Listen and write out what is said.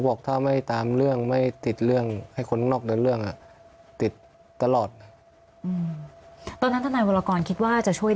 ว่าไงคะ